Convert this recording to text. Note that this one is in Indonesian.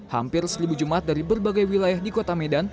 hampir seribu jemaat dari berbagai wilayah di kota medan